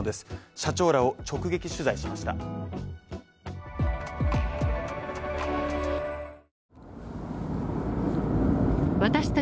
社長らを直撃取材しました。